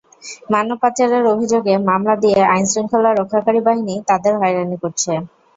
মানব পাচারের অভিযোগে মামলা দিয়ে আইনশৃঙ্খলা রক্ষাকারী বাহিনী তাঁদের হয়রানি করছে।